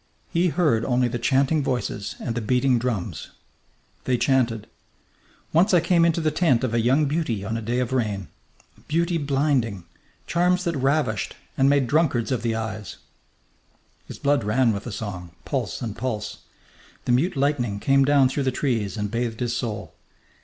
He heard only the chanting voices and the beating drums. _Once I came into the tent of a young beauty on a day of rain.... Beauty blinding.... Charms that ravished and made drunkards of the eyes...._ His blood ran with the song, pulse and pulse. The mute lightning came down through the trees and bathed his soul.